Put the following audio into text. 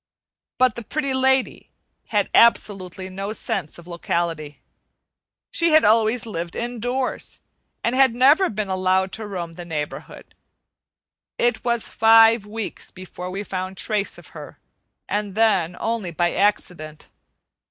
But the Pretty Lady had absolutely no sense of locality. She had always lived indoors and had never been allowed to roam the neighborhood. It was five weeks before we found trace of her, and then only by accident.